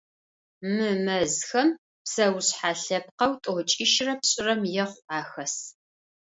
Мы мэзхэм псэушъхьэ лъэпкъэу тӏокӏищрэ пшӏырэм ехъу ахэс.